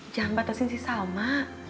jangan batasin si selma